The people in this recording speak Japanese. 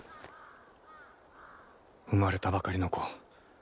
生まれたばかりの子！